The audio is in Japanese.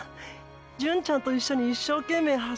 純ちゃんと一緒に一生懸命走れるから。